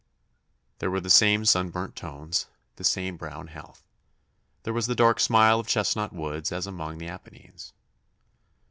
There were the same sunburnt tones, the same brown health. There was the dark smile of chestnut woods as among the Apennines.